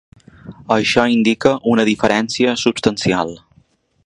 Això indica una diferència substancial.